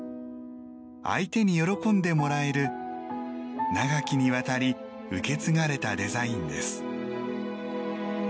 相手に喜んでもらえる長きにわたり受け継がれたデザインです。